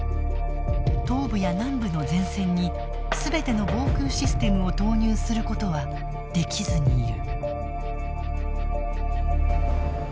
東部や南部の前線にすべての防空システムを投入することはできずにいる。